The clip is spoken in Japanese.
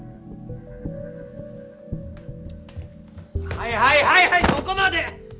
はいはいはいはいそこまで！